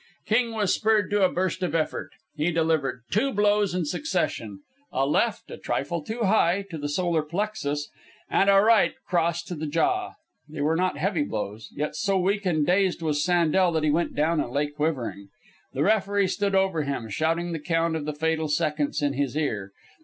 King was spurred to a burst of effort. He delivered two blows in succession a left, a trifle too high, to the solar plexus, and a right cross to the jaw. They were not heavy blows, yet so weak and dazed was Sandel that he went down and lay quivering. The referee stood over him, shouting the count of the fatal seconds in his ear.